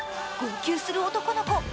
号泣する男の子。